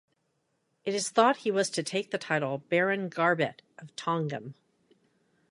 It is thought he was to take the title Baron Garbett of Tongham.